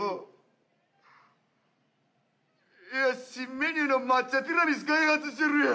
いや新メニューの抹茶ティラミス開発してるやん。